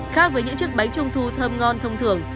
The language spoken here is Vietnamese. khác với những chiếc bánh trung thu thơm ngon thông thường